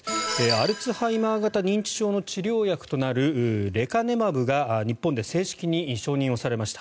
アルツハイマー型認知症の治療薬となるレカネマブが日本で正式に承認されました。